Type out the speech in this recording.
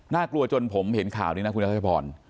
กลัวจนผมเห็นข่าวนี้นะคุณรัชพร